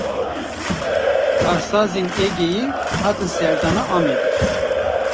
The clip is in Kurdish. Karsazên Egeyî, hatin serdana Amedê